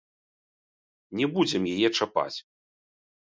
Не будзем яе чапаць.